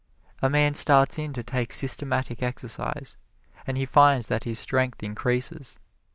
A man starts in to take systematic exercise, and he finds that his strength increases.